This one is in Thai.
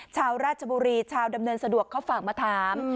ชาวราชบุรีชาวดำเนินสะดวกเขาฝากมาถาม